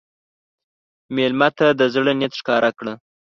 مېلمه ته د زړه نیت ښکاره کړه.